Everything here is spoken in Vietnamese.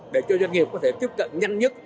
để cho doanh nghiệp có thể tiếp cận nhanh nhất